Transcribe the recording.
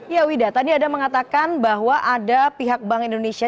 ya wida tadi ada mengatakan bahwa ada pihak bank indonesia